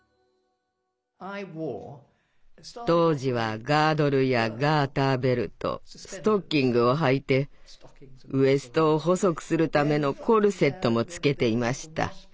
当時はガードルやガーターベルトストッキングをはいてウエストを細くするためのコルセットも着けていました。